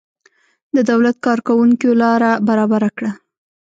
د دولت کارکوونکیو لاره برابره کړه.